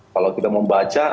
kalau kita membaca